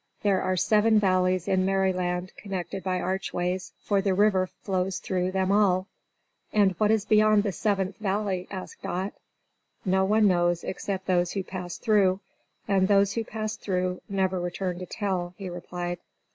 "There are Seven Valleys in Merryland, connected by archways, for the river flows through them all." "And what is beyond the Seventh Valley?" asked Dot. "No one knows except those who pass through, and those who pass through never return to tell," he replied.